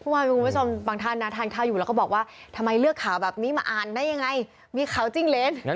คุณผู้ชมบางท่านนะทานข้าวอยู่แล้วก็บอกว่าทำไมเลือกข่าวแบบนี้มาอ่านได้ยังไงมีข่าวจิ้งเลน